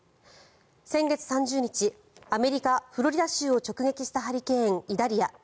先月３０日アメリカ・フロリダ州を直撃したハリケーン、イダリア。